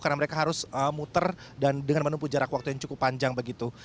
karena mereka harus muter dan dengan menempuh jarak waktu yang cukup panjang begitu